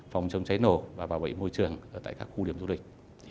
phòng chống cháy nổ và bảo vệ môi trường tại các khu điểm du lịch